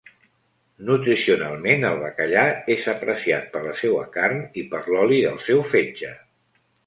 Nutricionalment, el bacallà és apreciat per la seua carn i per l'oli del seu fetge.